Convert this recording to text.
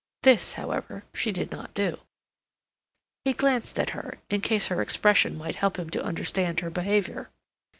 This, however, she did not do. He glanced at her, in case her expression might help him to understand her behavior.